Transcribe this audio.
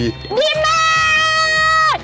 ดีมาก